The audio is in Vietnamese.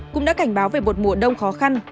cũng đã cảnh báo về một mùa đông khó khăn